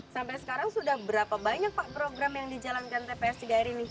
sampai sekarang sudah berapa banyak pak program yang dijalankan tps tiga r ini